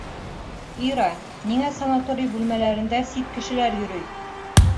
Ира, ниңә санаторий бүлмәләрендә сит кешеләр йөрөй?